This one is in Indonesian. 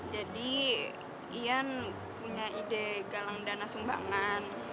jadi iyan punya ide galang dana sumbangan